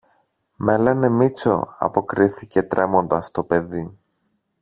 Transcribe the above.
Με λένε Μήτσο, αποκρίθηκε τρέμοντας το παιδί